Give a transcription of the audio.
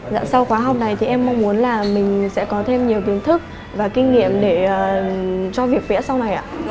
dạ sau khóa học này thì em mong muốn là mình sẽ có thêm nhiều kiến thức và kinh nghiệm để cho việc vẽ sau này ạ